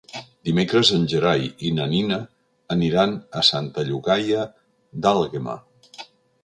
Dimecres en Gerai i na Nina aniran a Santa Llogaia d'Àlguema.